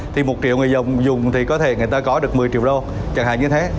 thì một triệu người dùng thì có thể người ta có được một mươi triệu đô chẳng hạn như thế